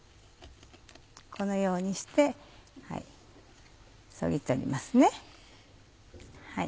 このようにしてそぎ取りますね。